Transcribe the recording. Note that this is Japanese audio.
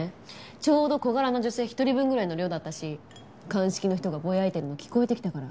ちょうど小柄な女性１人分ぐらいの量だったし鑑識の人がボヤいてるの聞こえてきたから。